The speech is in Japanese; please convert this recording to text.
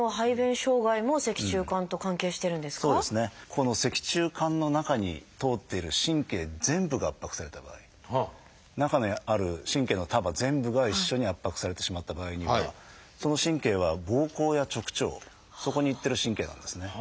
ここの脊柱管の中に通っている神経全部が圧迫された場合中にある神経の束全部が一緒に圧迫されてしまった場合にはその神経はぼうこうや直腸そこに行ってる神経なんですね。